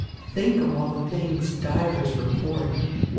Think of all the things divers report!